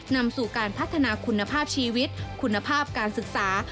นำสู่การพัฒนาคุณภาพชีวิตคุณภาพการศึกษา